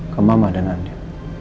ke mama dengan dia